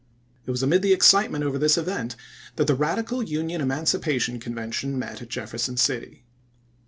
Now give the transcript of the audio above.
It was amid the excitement over this event that the Radical Union Emancipation Convention met at Jefferson City.